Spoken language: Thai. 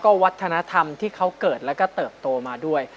วัฒนธรรมที่เขาเกิดแล้วก็เติบโตมาด้วย